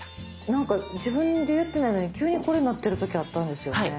なんか自分でやってないのに急にこれになってる時あったんですよね。